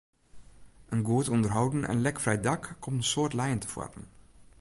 In goed ûnderholden en lekfrij dak komt in soad lijen tefoaren.